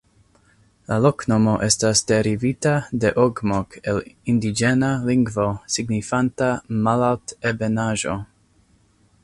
La loknomo estas derivita de ogmok el indiĝena lingvo signifanta "malaltebenaĵo".